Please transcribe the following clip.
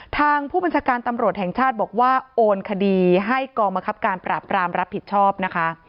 ทางผู้บัญชาการตำรวจแห่งชาติบอกว่าโอนคดีให้กองบังคับการปราบรามรับผิดชอบนะคะ